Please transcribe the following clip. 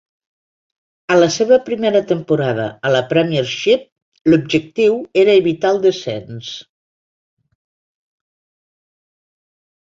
A la seva primera temporada a la Premiership, l'objectiu era evitar el descens.